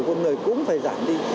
của con người cũng phải giảm đi